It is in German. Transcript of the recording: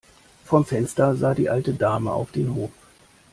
Vom Fenster sah die alte Dame auf den Hof.